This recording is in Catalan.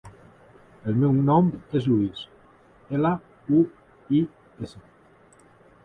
El meu nom és Luis: ela, u, i, essa.